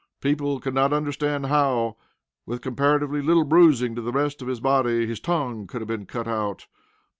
People could not understand how, with comparatively little bruising of the rest of his body, his tongue could have been cut out.